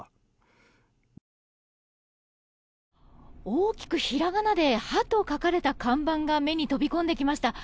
大きくひらがなで「は」と書かれた看板が目に飛び込んてきました。